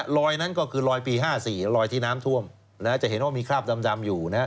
รอยนั้นก็คือรอยปี๕๔รอยที่น้ำท่วมจะเห็นว่ามีคราบดำอยู่นะฮะ